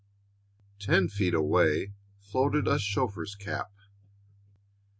Ten feet away floated a chauffeur's cap.